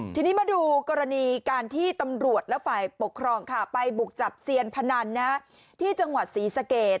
ทีนี้มาดูกรณีการที่ตำรวจและฝ่ายปกครองค่ะไปบุกจับเซียนพนันที่จังหวัดศรีสะเกด